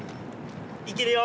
いけるよ。